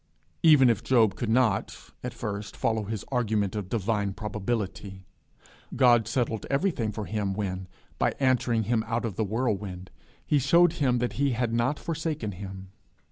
Even if Job could not at first follow his argument of divine probability, God settled everything for him when, by answering him out of the whirlwind, he showed him that he had not forsaken him.